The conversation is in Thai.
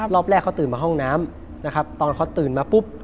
รอบแรกเขาตื่นมาห้องน้ำนะครับตอนเขาตื่นมาปุ๊บ